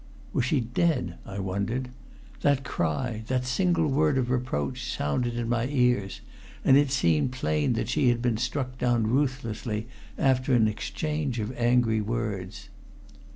Was she dead, I wondered? That cry that single word of reproach sounded in my ears, and it seemed plain that she had been struck down ruthlessly after an exchange of angry words.